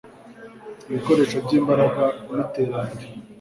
Ibikoresho byimbaraga niterambere